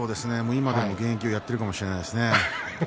今でも現役をやっていたかもしれませんね。